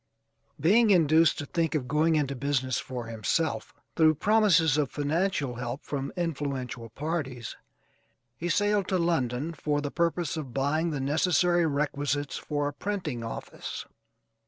Being induced to think of going into business for himself, through promises of financial help from influential parties, he sailed to London for the purpose of buying the necessary requisites for a printing office.